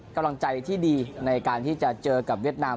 กำลังใจที่ดีในการที่จะเจอกับเวียดนาม